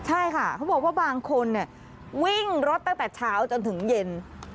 ใช่ค่ะเขาบอกว่าบางคนวิ่งรถตั้งแต่เช้าจนถึงเย็น